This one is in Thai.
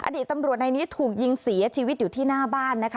อดีตตำรวจในนี้ถูกยิงเสียชีวิตอยู่ที่หน้าบ้านนะคะ